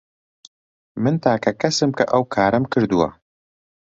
من تاکە کەسم کە ئەو کارەم کردووە.